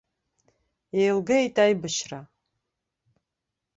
Еилгеит аибашьра!